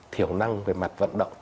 thiểu năng về mặt vận động